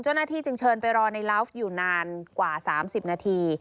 เจ้าหน้าที่จึงเชิญไปรอในลาฟอยู่นานกว่า๓๐นาที